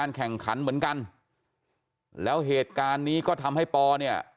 แข่งขันเหมือนกันแล้วเหตุการณ์นี้ก็ทำให้ปอเนี่ย